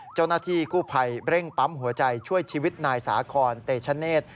เจ้าหน้าที่กู้ภัยเร่งปั๊มหัวใจช่วยชีวิตนายสาคอนเตชเนธ